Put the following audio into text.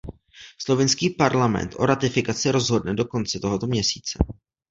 Slovinský parlament o ratifikaci rozhodne do konce tohoto měsíce.